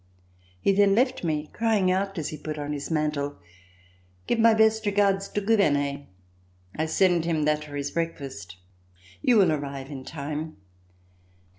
He then left me, crying out as he put on his mantle : "Give my best regards to Gouvernet. I send him that for his breakfast. You will arrive in time."